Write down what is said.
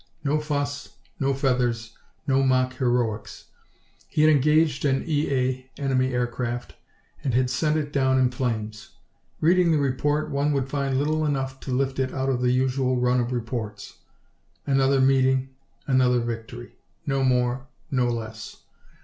No fuss, no feathers, no mock heroics. He had engaged an E.A. (enemy aircraft) and had sent it down in flames. Reading the report, one would find little enough to lift it out of the usual run of reports. Another meeting; another victory. No more, no less.